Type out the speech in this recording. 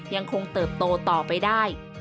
ยังคงเติบโตต่อไปได้